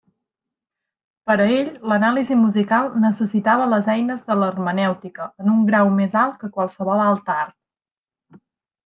Per a ell l'anàlisi musical necessitava les eines de l'hermenèutica en un grau més alt que qualsevol altre art.